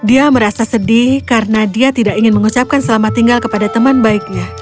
dia merasa sedih karena dia tidak ingin mengucapkan selamat tinggal kepada teman baiknya